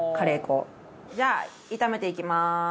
じゃあ炒めていきまーす。